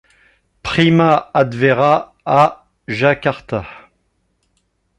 Prima Advera à Jakarta.